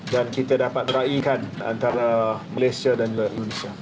dan kita dapat meraihkan antara malaysia dan indonesia